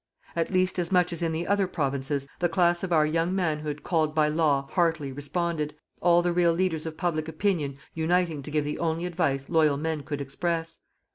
At least as much as in the other provinces, the class of our young manhood called by law heartily responded, all the real leaders of public opinion uniting to give the only advice loyal men could express.